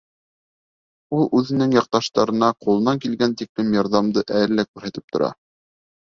Ул үҙенең яҡташтарына ҡулынан килгән тиклем ярҙамды әле лә күрһәтеп тора.